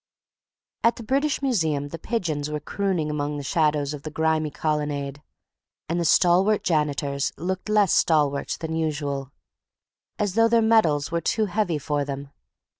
At the British Museum the pigeons were crooning among the shadows of the grimy colonnade, and the stalwart janitors looked less stalwart than usual, as though their medals were too heavy for them.